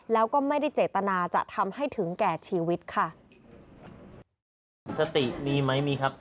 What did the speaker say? แล้วก็ไม่ได้เจตนาจะทำให้ถึงแก่ชีวิตค่ะ